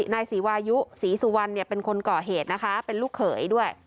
นายศรีวายุศรีสุวรรณเป็นคนก่อเหตุนะคะเป็นลูกเขยด้วย